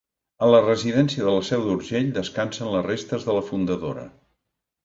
A la residència de la Seu d'Urgell descansen les restes de la fundadora.